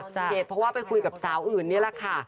เหตุเพราะว่าไปคุยกับสาวอื่นนี่แหละค่ะ